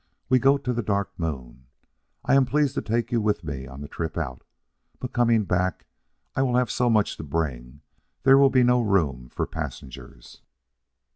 We go to the Dark Moon. I am pleased to take you with me on the trip out; but coming back, I will have so much to bring there will be no room for passengers.